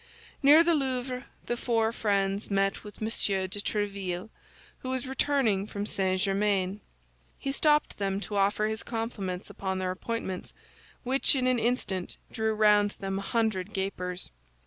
Near the Louvre the four friends met with M. de Tréville, who was returning from St. Germain; he stopped them to offer his compliments upon their appointments, which in an instant drew round them a hundred gapers.